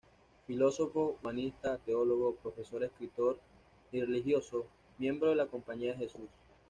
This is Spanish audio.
Filósofo, humanista, teólogo, profesor escritor y religioso, miembro de la Compañía de Jesús.